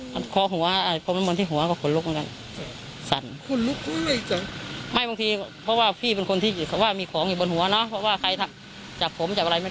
ท่านก็เอากระเป๋าวางท่านก็โทรน้ำมนต์ให้ท่านก็ออกมา